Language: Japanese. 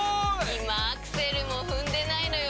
今アクセルも踏んでないのよ